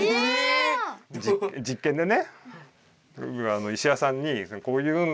実験でね？